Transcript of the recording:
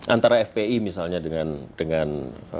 antara fpi misalnya dengan